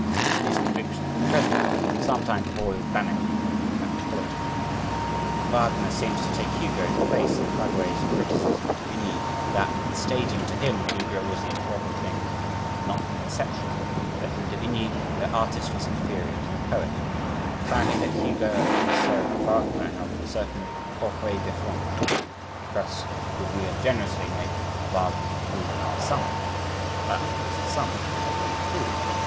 But these convictions were present some time before he was banished from the Metropolitan. Wagner seems to take Hugo's place in Faguet's criticism of de Vigny that, "The staging to him (Hugo) was the important thing not the conception that in de Vigny, the artist was inferior to the poet"; finally that Hugo and so Wagner have a certain pauvrete de fond. Thus would we ungenerously make Wagner prove our sum! But it is a sum that won't prove!